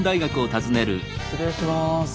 失礼します。